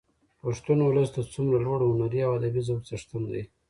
پښتون ولس د څومره لوړ هنري او ادبي ذوق څښتن دي.